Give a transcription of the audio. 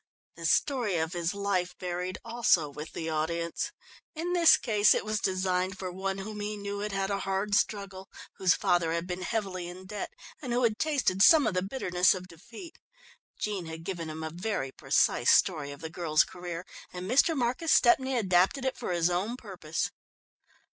The story of his life varied also with the audience. In this case, it was designed for one whom he knew had had a hard struggle, whose father had been heavily in debt, and who had tasted some of the bitterness of defeat. Jean had given him a very precise story of the girl's career, and Mr. Marcus Stepney adapted it for his own purpose.